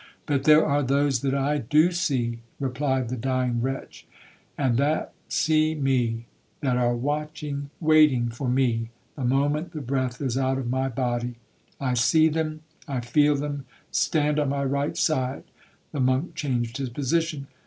'But there are those that I do see,' replied the dying wretch; 'and that see me; that are watching, waiting for me, the moment the breath is out of my body. I see them, I feel them,—stand on my right side.' The monk changed his position.